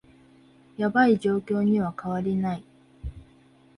ヤバい状況には変わりない